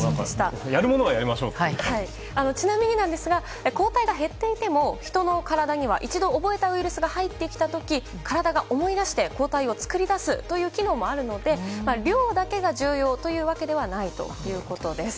ちなみになんですが抗体が減っていても人の体には一度覚えたウイルスが入ってきた時体が思い出して、抗体を作り出すという機能もあるので量だけが重要というわけではないということです。